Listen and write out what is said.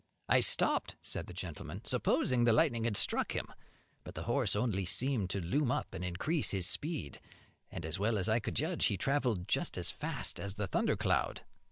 "I stopped," said the gentleman, "supposing the lightning had struck him, but the horse only seemed to loom up and increase his speed, and, as well as I could judge, he travelled just as fast as the thunder cloud."